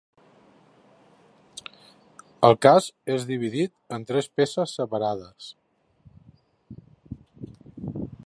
El cas és dividit en tres peces separades.